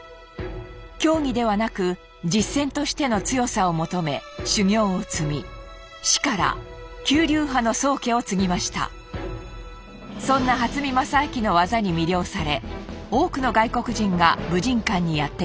競技ではなく実戦としての強さを求め修行を積み師からそんな初見良昭の技に魅了され多くの外国人が武神館にやって来ます。